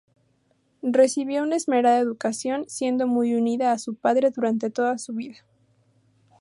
Recibió una esmerada educación, siendo muy unida a su padre durante toda su vida.